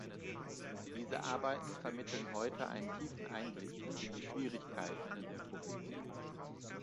Diese Arbeiten vermitteln heute einen tiefen Einblick in die Schwierigkeit dieses Problems.